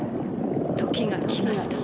時が来ました。